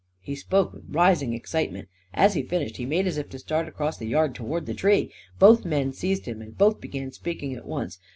He spoke with rising excitement. As he finished he made as if to start across the yard towards the tree. Both men seized him and both began speaking at once.